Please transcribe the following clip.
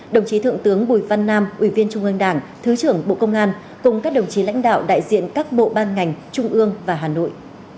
đồng chí thượng tướng bùi văn nam ủy viên trung ương đảng thứ trưởng bộ công an cùng các đồng chí lãnh đạo đại diện các bộ ban ngành trung ương và hà nội